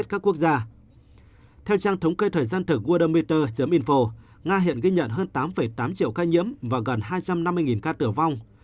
theo trang thống kê thời gian thực wormeter info nga hiện ghi nhận hơn tám tám triệu ca nhiễm và gần hai trăm năm mươi ca tử vong